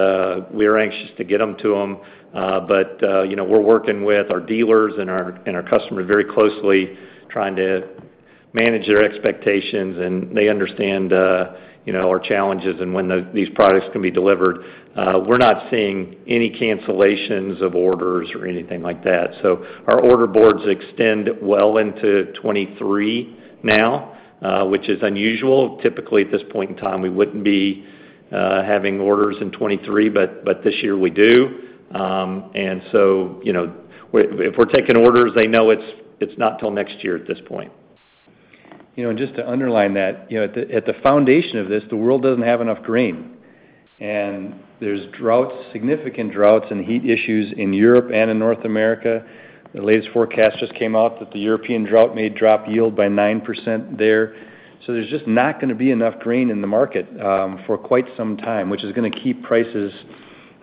we're anxious to get them to them. You know, we're working with our dealers and our customers very closely, trying to manage their expectations and they understand, you know, our challenges and when these products can be delivered. We're not seeing any cancellations of orders or anything like that. Our order boards extend well into 2023 now, which is unusual. Typically, at this point in time, we wouldn't be having orders in 2023, but this year we do. You know, if we're taking orders, they know it's not till next year at this point. You know, just to underline that, you know, at the foundation of this, the world doesn't have enough grain. There's droughts, significant droughts and heat issues in Europe and in North America. The latest forecast just came out that the European drought may drop yield by 9% there. There's just not gonna be enough grain in the market for quite some time, which is gonna keep prices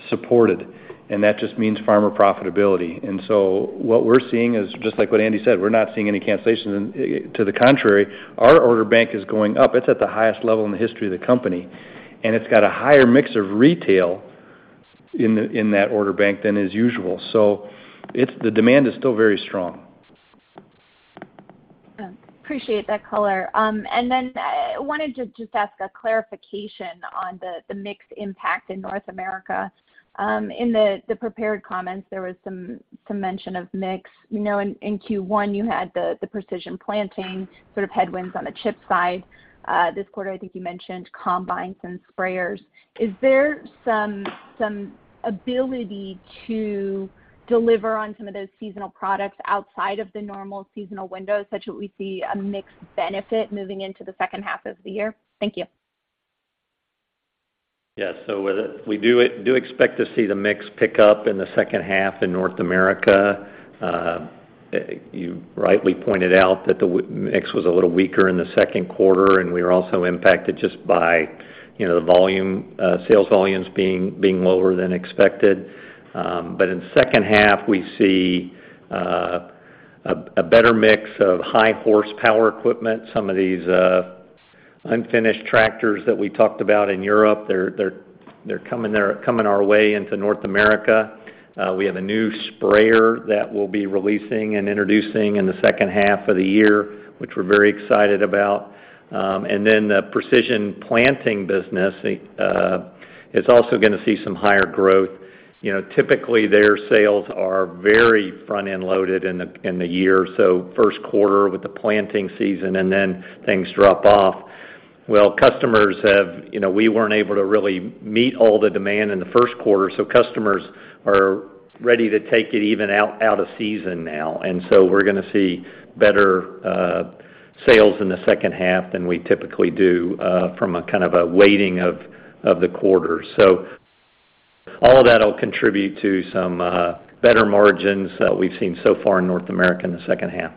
supported. That just means farmer profitability. What we're seeing is just like what Andy said, we're not seeing any cancellations. To the contrary, our order bank is going up. It's at the highest level in the history of the company, and it's got a higher mix of retail in that order bank than is usual. It's the demand is still very strong. Yeah. Appreciate that color. Wanted to just ask a clarification on the mix impact in North America. In the prepared comments, there was some mention of mix. You know, in Q1, you had the Precision Planting sort of headwinds on the chip side. This quarter, I think you mentioned combines and sprayers. Is there some ability to deliver on some of those seasonal products outside of the normal seasonal window, such that we see a mixed benefit moving into the second half of the year? Thank you. Yes. We do expect to see the mix pick up in the second half in North America. You rightly pointed out that the mix was a little weaker in the second quarter, and we were also impacted just by, you know, the volume, sales volumes being lower than expected. In second half, we see a better mix of high horsepower equipment. Some of these unfinished tractors that we talked about in Europe, they're coming our way into North America. We have a new sprayer that we'll be releasing and introducing in the second half of the year, which we're very excited about. Then the Precision Planting business is also gonna see some higher growth. You know, typically, their sales are very front-end loaded in the year. First quarter with the planting season, and then things drop off. Well, customers have, you know, we weren't able to really meet all the demand in the first quarter, so customers are ready to take it even out of season now. We're gonna see better sales in the second half than we typically do from a kind of a weighting of the quarter. All that'll contribute to some better margins we've seen so far in North America in the second half.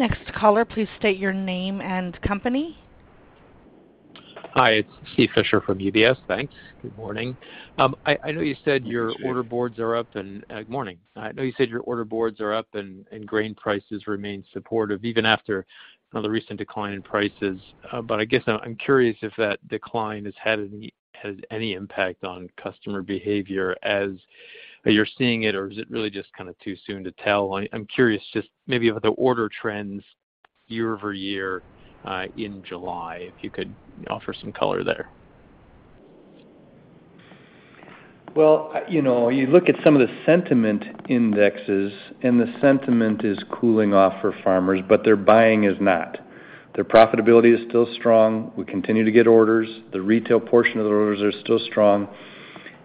Next caller, please state your name and company. Hi, it's Steve Fisher from UBS. Thanks. Good morning. I know you said your order boards are up and- Good to see you. Good morning. I know you said your order boards are up and grain prices remain supportive even after, you know, the recent decline in prices. I guess I'm curious if that decline has any impact on customer behavior as you're seeing it, or is it really just kinda too soon to tell? I'm curious just maybe about the order trends year-over-year in July, if you could offer some color there. Well, you know, you look at some of the sentiment indexes, and the sentiment is cooling off for farmers, but their buying is not. Their profitability is still strong. We continue to get orders. The retail portion of the orders are still strong.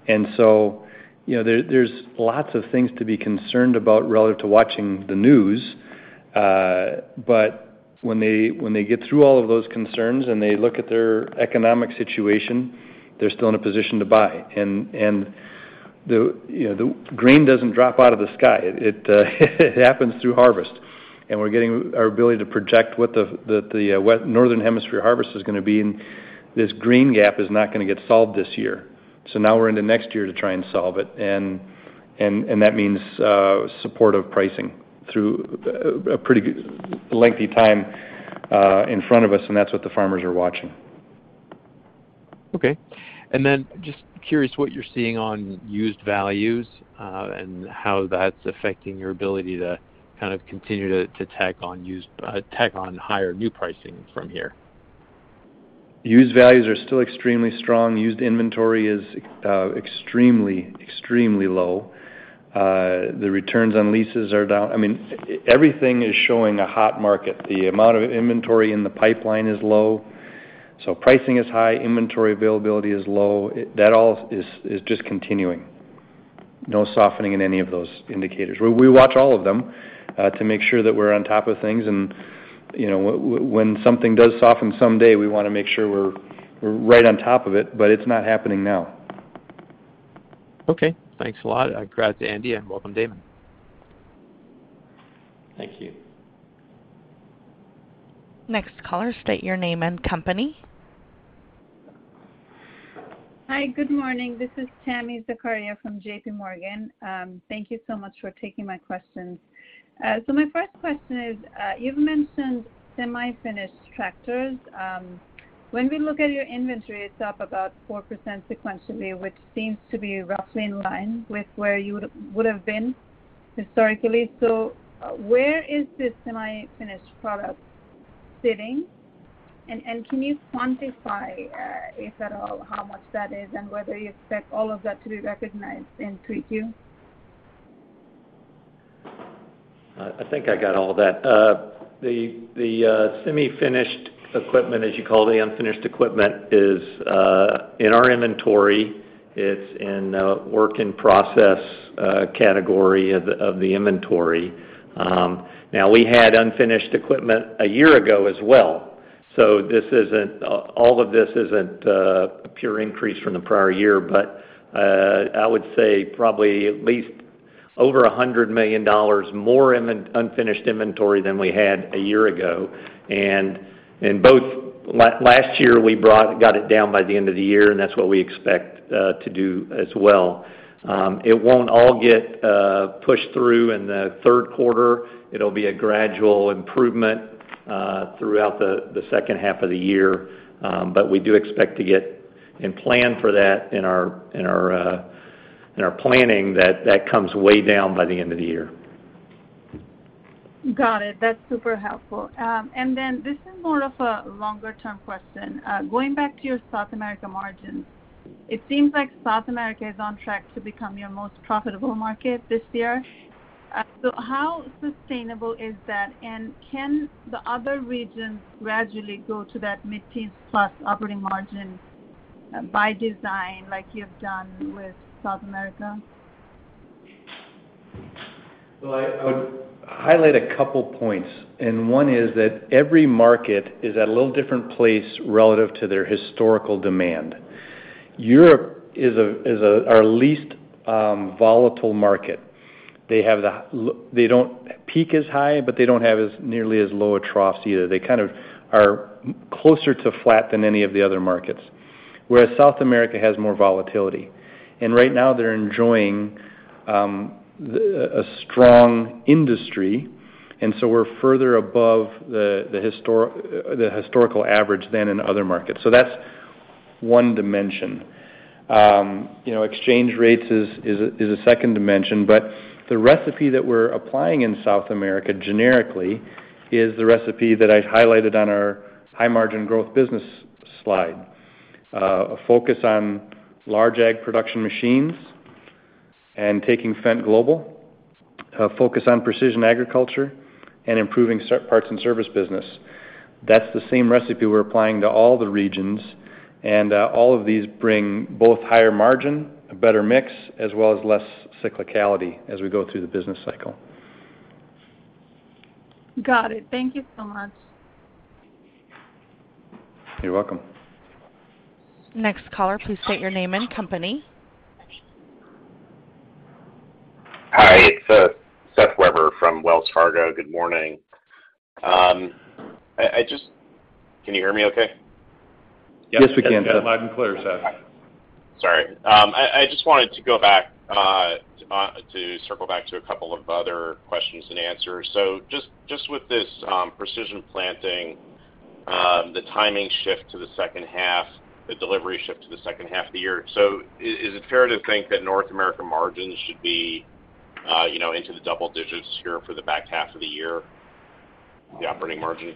You know, there's lots of things to be concerned about relative to watching the news. When they get through all of those concerns and they look at their economic situation, they're still in a position to buy. You know, the grain doesn't drop out of the sky. It happens through harvest. We're getting our ability to project what the Northern Hemisphere harvest is gonna be. This grain gap is not gonna get solved this year. Now we're into next year to try and solve it. That means supportive pricing through a pretty good lengthy time in front of us, and that's what the farmers are watching. Okay. Just curious what you're seeing on used values, and how that's affecting your ability to kind of continue to tack on higher new pricing from here. Used values are still extremely strong. Used inventory is extremely low. The returns on leases are down. I mean, everything is showing a hot market. The amount of inventory in the pipeline is low. Pricing is high, inventory availability is low. That all is just continuing. No softening in any of those indicators. We watch all of them to make sure that we're on top of things. You know, when something does soften someday, we wanna make sure we're right on top of it, but it's not happening now. Okay. Thanks a lot. Congrats, Andy, and welcome, Damon. Thank you. Next caller, state your name and company. Hi, good morning. This is Tami Zakaria from JPMorgan. Thank you so much for taking my questions. My first question is, you've mentioned semi-finished tractors. When we look at your inventory, it's up about 4% sequentially, which seems to be roughly in line with where you would have been Historically. Where is this semi-finished product sitting? And can you quantify, if at all, how much that is and whether you expect all of that to be recognized in 3Q? I think I got all that. The semi-finished equipment, as you call it, the unfinished equipment, is in our inventory. It's in a work in process category of the inventory. Now we had unfinished equipment a year ago as well, so all of this isn't a pure increase from the prior year. I would say probably at least over $100 million more in an unfinished inventory than we had a year ago. Last year, we brought got it down by the end of the year, and that's what we expect to do as well. It won't all get pushed through in the third quarter. It'll be a gradual improvement throughout the second half of the year. We do expect to get and plan for that in our planning that comes way down by the end of the year. Got it. That's super helpful. This is more of a longer-term question. Going back to your South America margins, it seems like South America is on track to become your most profitable market this year. How sustainable is that? Can the other regions gradually go to that mid-teens plus operating margin by design like you've done with South America? Well, I would highlight a couple points, and one is that every market is at a little different place relative to their historical demand. Europe is our least volatile market. They don't peak as high, but they don't have as nearly as low a trough either. They kind of are closer to flat than any of the other markets, whereas South America has more volatility. Right now they're enjoying a strong industry, and so we're further above the historical average than in other markets. That's one dimension. You know, exchange rates is a second dimension. The recipe that we're applying in South America generically is the recipe that I highlighted on our high margin growth business slide, a focus on large ag production machines and taking Fendt Global. A focus on precision agriculture and improving service parts and service business. That's the same recipe we're applying to all the regions. All of these bring both higher margin, a better mix, as well as less cyclicality as we go through the business cycle. Got it. Thank you so much. You're welcome. Next caller, please state your name and company. Hi, it's Seth Weber from Wells Fargo. Good morning. Can you hear me okay? Yes, we can. Yes. Loud and clear, Seth. Sorry. I just wanted to go back to circle back to a couple of other questions and answers. Just with this Precision Planting, the timing shift to the second half, the delivery shift to the second half of the year. Is it fair to think that North America margins should be, you know, into the double digits here for the back half of the year, the operating margin?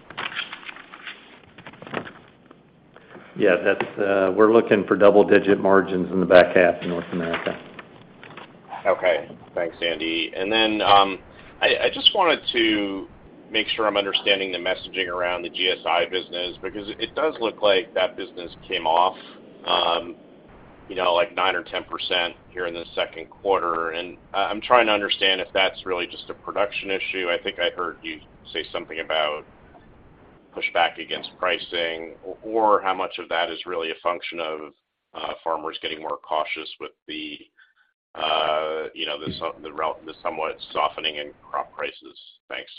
Yeah. That's, we're looking for double-digit margins in the back half in North America. Okay. Thanks, Andy. I just wanted to make sure I'm understanding the messaging around the GSI business, because it does look like that business came off, you know, like 9 or 10% here in the second quarter. I'm trying to understand if that's really just a production issue. I think I heard you say something about pushback against pricing or how much of that is really a function of farmers getting more cautious with the, you know, the somewhat softening in crop prices. Thanks.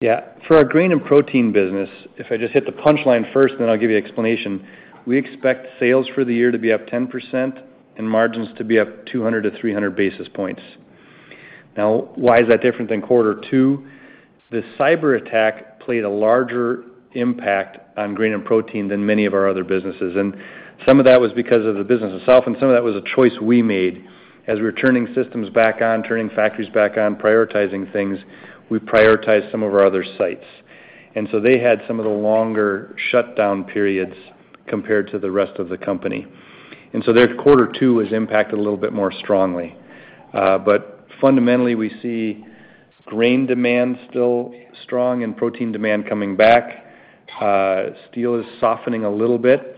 Yeah. For our grain and protein business, if I just hit the punch line first, then I'll give you explanation. We expect sales for the year to be up 10% and margins to be up 200-300 basis points. Now, why is that different than quarter two? The cyberattack played a larger impact on grain and protein than many of our other businesses, and some of that was because of the business itself, and some of that was a choice we made. As we were turning systems back on, turning factories back on, prioritizing things, we prioritized some of our other sites. They had some of the longer shutdown periods compared to the rest of the company. Their quarter two was impacted a little bit more strongly. Fundamentally, we see grain demand still strong and protein demand coming back. Steel is softening a little bit.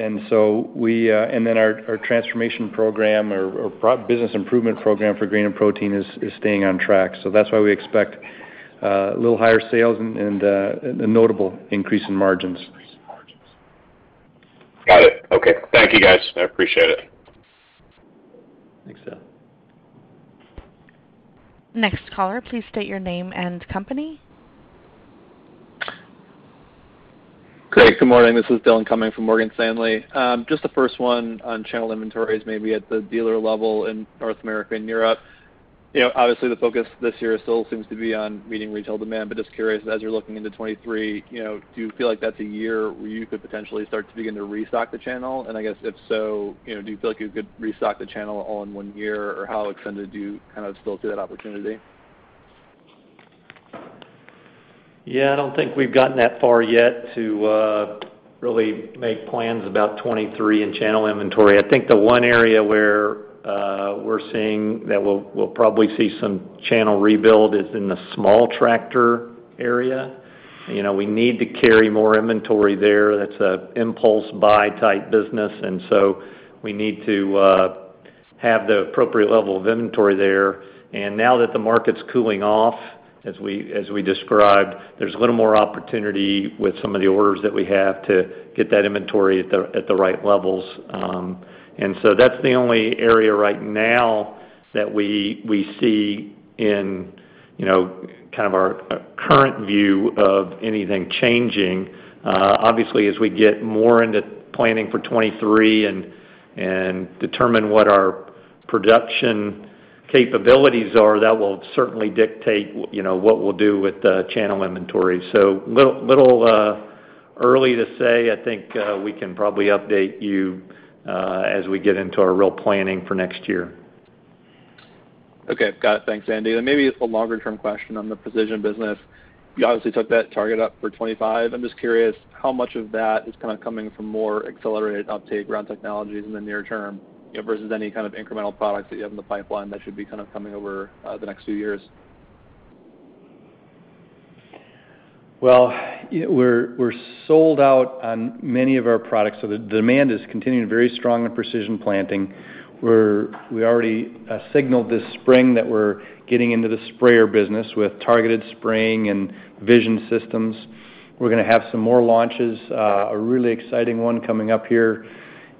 Our transformation program, our business improvement program for grain and protein is staying on track. That's why we expect a little higher sales and a notable increase in margins. Got it. Okay. Thank you, guys. I appreciate it. Thanks, Seth. Next caller, please state your name and company. Great. Good morning. This is Dillon Cumming from Morgan Stanley. Just the first one on channel inventories, maybe at the dealer level in North America and Europe. You know, obviously, the focus this year still seems to be on meeting retail demand. Just curious, as you're looking into 2023, you know, do you feel like that's a year where you could potentially start to begin to restock the channel? And I guess if so, you know, do you feel like you could restock the channel all in one year, or how extended do you kind of still see that opportunity? Yeah, I don't think we've gotten that far yet to really make plans about 2023 in channel inventory. I think the one area where we're seeing that we'll probably see some channel rebuild is in the small tractor area. You know, we need to carry more inventory there. That's an impulse buy type business, and so we need to have the appropriate level of inventory there. Now that the market's cooling off, as we described, there's a little more opportunity with some of the orders that we have to get that inventory at the right levels. That's the only area right now that we see in, you know, kind of our current view of anything changing. Obviously, as we get more into planning for 2023 and determine what our production capabilities are, that will certainly dictate, you know, what we'll do with the channel inventory. A little early to say. I think we can probably update you as we get into our real planning for next year. Okay. Got it. Thanks, Andy. Maybe a longer-term question on the Precision business. You obviously took that target up for 2025. I'm just curious how much of that is kinda coming from more accelerated uptake around technologies in the near term, you know, versus any kind of incremental products that you have in the pipeline that should be kind of coming over the next few years. Well, we're sold out on many of our products, so the demand is continuing very strong in Precision Planting. We already signaled this spring that we're getting into the sprayer business with targeted spraying and vision systems. We're gonna have some more launches, a really exciting one coming up here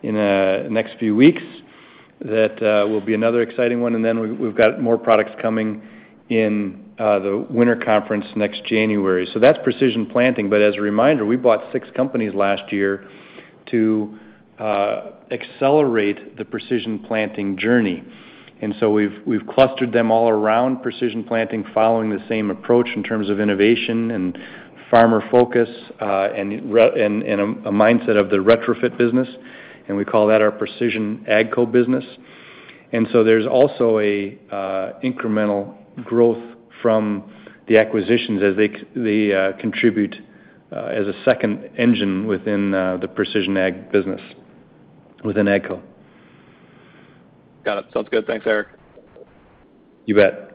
in the next few weeks. That will be another exciting one, and then we've got more products coming in the winter conference next January. That's Precision Planting. As a reminder, we bought six companies last year to accelerate the Precision Planting journey. We've clustered them all around Precision Planting, following the same approach in terms of innovation and farmer focus, and a mindset of the retrofit business, and we call that our Precision Ag Co business. There's also a incremental growth from the acquisitions as they contribute as a second engine within the Precision Ag business within AGCO. Got it. Sounds good. Thanks, Eric. You bet.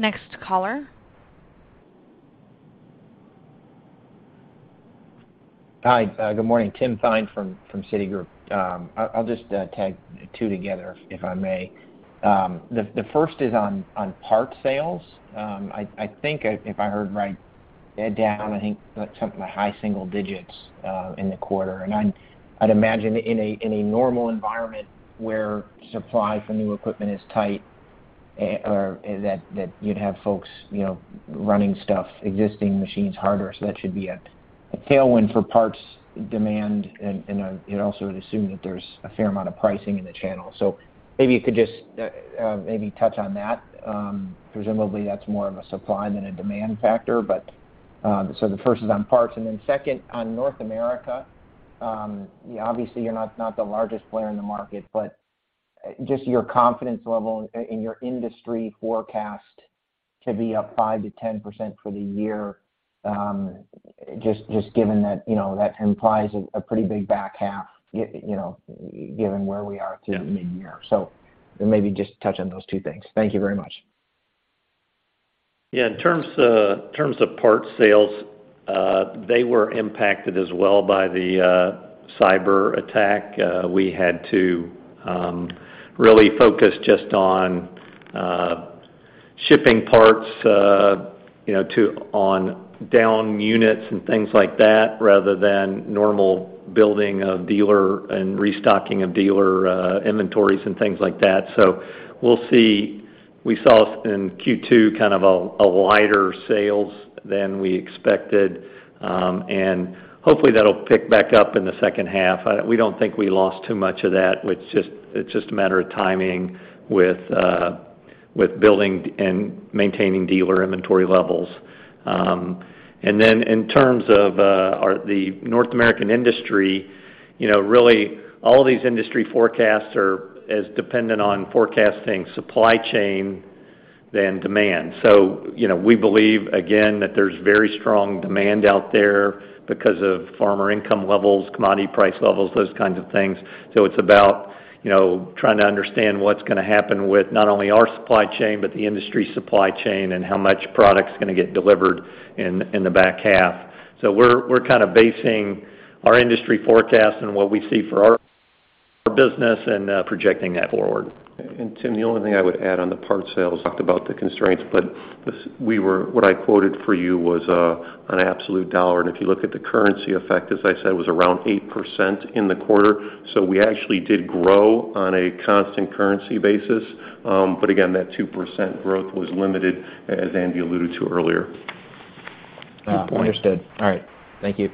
Next caller. Hi, good morning. Tim Thein from Citigroup. I'll just tag two together, if I may. The first is on parts sales. I think if I heard right, Andy talked about high single digits in the quarter. I'd imagine in a normal environment where supply for new equipment is tight, or that you'd have folks, you know, running stuff, existing machines harder, so that should be a tailwind for parts demand and you'd also assume that there's a fair amount of pricing in the channel. So maybe you could just maybe touch on that. Presumably that's more of a supply than a demand factor, but so the first is on parts. Second, on North America, obviously you're not the largest player in the market, but just your confidence level in your industry forecast to be up 5%-10% for the year, just given that, you know, that implies a pretty big back half, you know, given where we are through midyear. Maybe just touch on those two things. Thank you very much. Yeah. In terms of parts sales, they were impacted as well by the cyberattack. We had to really focus just on shipping parts, you know, on down units and things like that, rather than normal building of dealer and restocking of dealer inventories and things like that. We'll see. We saw in Q2 kind of a lighter sales than we expected, and hopefully that'll pick back up in the second half. We don't think we lost too much of that. It's just a matter of timing with building and maintaining dealer inventory levels. In terms of the North American industry, you know, really all these industry forecasts are as dependent on forecasting supply chain than demand. You know, we believe again that there's very strong demand out there because of farmer income levels, commodity price levels, those kinds of things. It's about, you know, trying to understand what's gonna happen with not only our supply chain, but the industry supply chain and how much product's gonna get delivered in the back half. We're kind of basing our industry forecast on what we see for our business and projecting that forward. Tim, the only thing I would add on the parts sales, talked about the constraints, but what I quoted for you was an absolute dollar. If you look at the currency effect, as I said, it was around 8% in the quarter. We actually did grow on a constant currency basis. But again, that 2% growth was limited, as Andy alluded to earlier. Good point. Understood. All right. Thank you.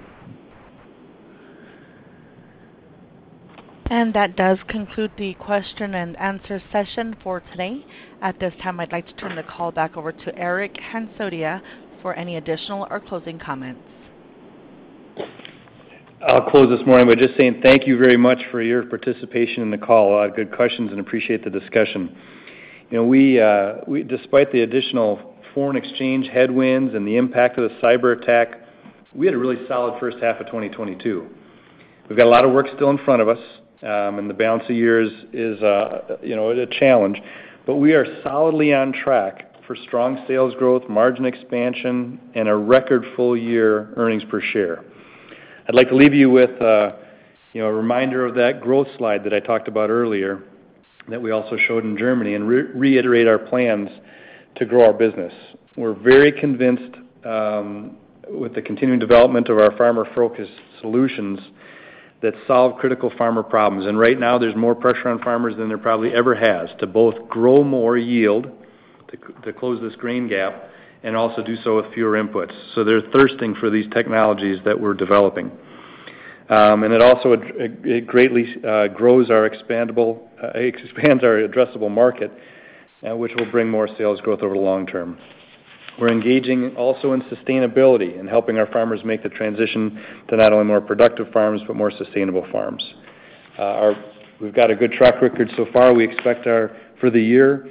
That does conclude the question and answer session for today. At this time, I'd like to turn the call back over to Eric Hansotia for any additional or closing comments. I'll close this morning by just saying thank you very much for your participation in the call. A lot of good questions, and appreciate the discussion. You know, despite the additional foreign exchange headwinds and the impact of the cyberattack, we had a really solid first half of 2022. We've got a lot of work still in front of us, and the balance of the year is you know, a challenge. But we are solidly on track for strong sales growth, margin expansion, and a record full year earnings per share. I'd like to leave you with you know, a reminder of that growth slide that I talked about earlier that we also showed in Germany, and reiterate our plans to grow our business. We're very convinced with the continuing development of our farmer-focused solutions that solve critical farmer problems. Right now there's more pressure on farmers than there probably ever has to both grow more yield to close this grain gap and also do so with fewer inputs. So they're thirsting for these technologies that we're developing. It also greatly expands our addressable market, which will bring more sales growth over the long term. We're engaging also in sustainability and helping our farmers make the transition to not only more productive farms, but more sustainable farms. We've got a good track record so far. We expect for the year,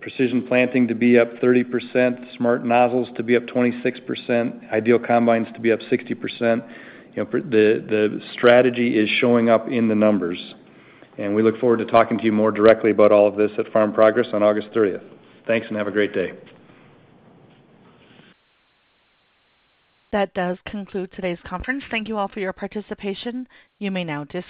Precision Planting to be up 30%, smart nozzles to be up 26%, IDEAL combines to be up 60%. You know, the strategy is showing up in the numbers, and we look forward to talking to you more directly about all of this at Farm Progress on August 30th. Thanks, and have a great day. That does conclude today's conference. Thank you all for your participation. You may now disconnect.